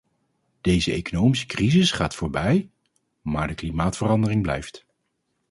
Deze economische crisis gaat voorbij, maar de klimaatverandering blijft.